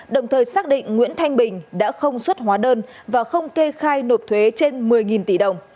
đồng thời xác định nguyễn thanh bình đã không xuất hóa đơn và không kê khai nộp thuế trên một mươi tỷ đồng